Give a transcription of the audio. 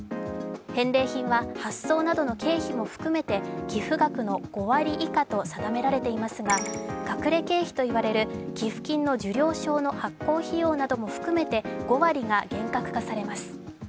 返礼品は発送などの経費も含めて寄付額の５割以下と定められていますが隠れ経費といわれる寄付金の受領証の発行費用なども含めて５割が厳格化されます。